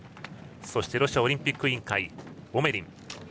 そしてロシアオリンピック委員会オメリン。